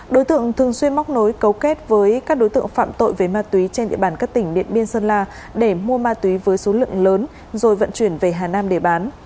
đối tượng thường xuyên móc nối cấu kết với các đối tượng phạm tội về ma túy trên địa bàn các tỉnh điện biên sơn la để mua ma túy với số lượng lớn rồi vận chuyển về hà nam để bán